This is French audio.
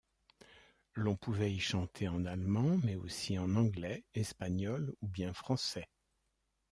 L'on pouvait y chanter en allemand, mais aussi en anglais, espagnol ou bien français.